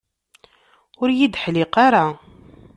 Ur yi-d-teḥliq ara.